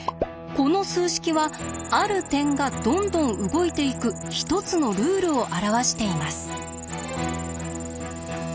この数式はある点がどんどん動いていく１つのルールを表しています。